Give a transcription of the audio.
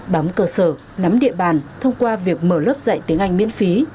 bám cơ sở nắm địa bàn thông qua việc mở lớp dạy tiếng anh miễn phí